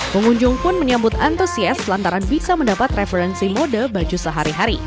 pengunjung pun menyambut antusias lantaran bisa mendapat referensi mode baju sehari hari